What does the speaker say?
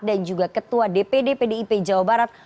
dan juga ketua dpd pdip jawa barat ono surono